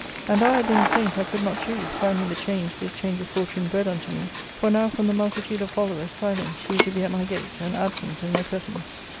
And though I had been a saint I could not choose, finding the change this change of fortune bred unto me, for 254 ARCADIA.' Book III. now from the multitude of followers silence grew to be at my gate, and absence in my presence.